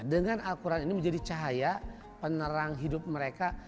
dengan al quran ini menjadi cahaya penerang hidup mereka